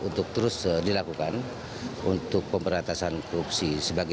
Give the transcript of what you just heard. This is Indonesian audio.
untuk terus dilakukan untuk pemberantasan korupsi